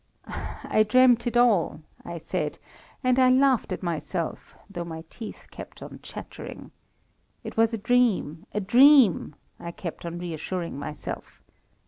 I dreamt it all, I said, and I laughed at myself, though my teeth kept on chattering. It was a dream, a dream, I kept on reassuring myself.